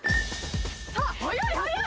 さあ早い早い。